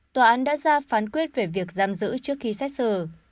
tòa án đã ra phán quyết về việc giam giữ trước khi xét xử